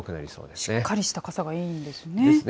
しっかりした傘がいいんですね。